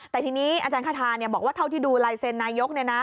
แต่ทีนี้อาจารย์คาทาบอกว่าเท่าที่ดูลายเซ็นนายก